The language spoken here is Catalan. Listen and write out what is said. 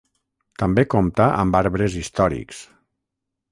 També compta amb arbres històrics.